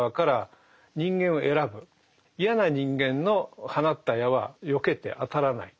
嫌な人間の放った矢はよけて当たらない。